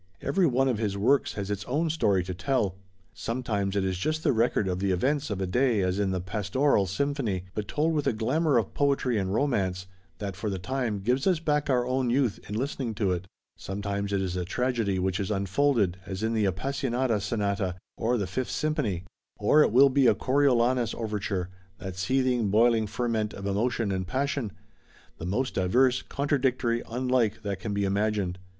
Every one of his works has its own story to tell; sometimes it is just the record of the events of a day as in the Pastoral Symphony, but told with a glamour of poetry and romance, that for the time gives us back our own youth in listening to it; sometimes it is a tragedy which is unfolded, as in the Appassionata Sonata or the Fifth Symphony; or it will be a Coriolanus Overture, that seething, boiling ferment of emotion and passion, the most diverse, contradictory, unlike, that can be imagined.